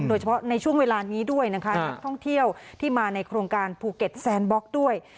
โดยเฉพาะในช่วงเวลานี้ด้วยนะคะนักท่องเที่ยวที่มาในโครงการภูเก็ตแซนบล็อกด้วย